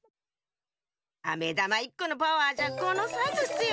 あめだま１このパワーじゃこのサイズっすよ。